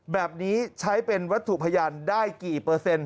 แบบนี้ใช้เป็นวัตถุพยานได้กี่เปอร์เซ็นต